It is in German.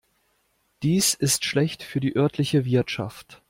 Dies ist schlecht für die örtliche Wirtschaft.